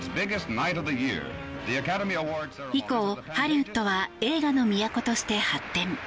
以降、ハリウッドは映画の都として発展。